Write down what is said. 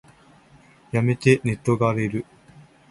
やめて、ネットが荒れる。